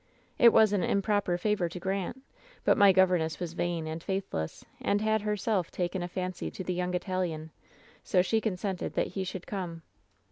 "It was an improper favor to grant, but my governess was vain and faithless, and had herself taken a fancy to the young Italian, so she consented that he should come.